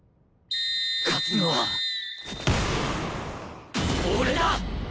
勝つのは俺だ！